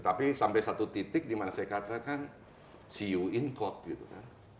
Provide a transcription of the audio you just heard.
tapi sampai satu titik di mana saya katakan see you in court gitu kan